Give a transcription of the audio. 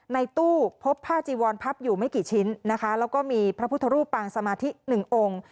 ในตู้พบผ้าจีวอนพับอยู่ไม่กี่ชิ้นนะคะแล้วก็มีพระพุทธรูปปางสมาธิหนึ่งองค์